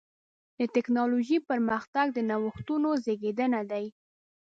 د ټکنالوجۍ پرمختګ د نوښتونو زېږنده دی.